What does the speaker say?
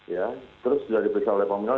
ya terus sudah diperiksa oleh komunal